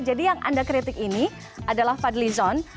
jadi yang anda kritik ini adalah fadli zon